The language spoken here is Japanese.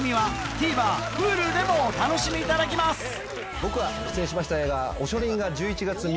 僕が出演しました映画。